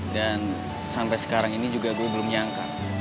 dan sampai sekarang ini juga gue belum nyangka